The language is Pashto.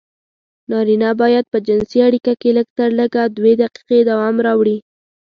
نارينه بايد په جنسي اړيکه کې لږترلږه دوې دقيقې دوام راوړي.